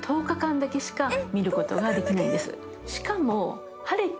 しかも。